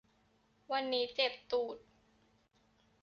วันนี้เจ็บตูด